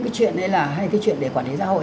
cái chuyện đấy là hay cái chuyện để quản lý xã hội